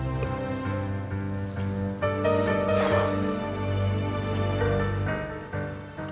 untuk paksakan bos jawa tanah ini